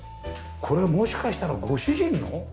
これはもしかしたらご主人の？